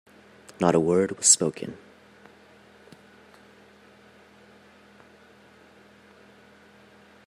Not a word was spoken.